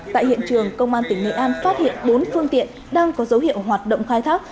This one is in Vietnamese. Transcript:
tại hiện trường công an tỉnh nghệ an phát hiện bốn phương tiện đang có dấu hiệu hoạt động khai thác